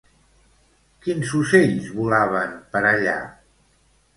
Quins ocells volaven per allà?